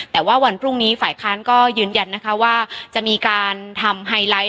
แต่ว่าวันพรุ่งนี้ฝ่ายค้านก็ยืนยันนะคะว่าจะมีการทำไฮไลท์